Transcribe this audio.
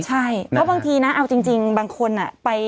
ใช่เพราะบางทีนะเอาจริงบางคนไป